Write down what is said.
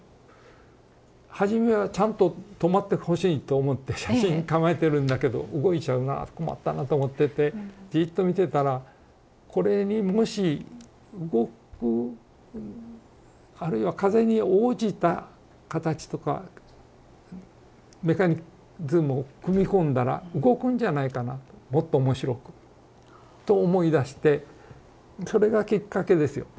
はじめはちゃんと止まってほしいと思って写真構えてるんだけど動いちゃうな困ったなとと思っててじっと見てたらこれにもし動くあるいは風に応じた形とかメカニズムを組み込んだら動くんじゃないかなもっと面白くと思いだしてそれがきっかけですよ